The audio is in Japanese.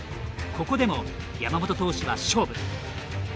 ここでも山本投手は勝負。